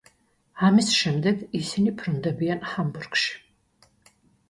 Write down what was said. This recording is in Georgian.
ამის შემდეგ, ისინი ბრუნდებიან ჰამბურგში.